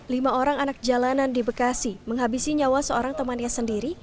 lima orang anak jalanan di bekasi menghabisi nyawa seorang temannya sendiri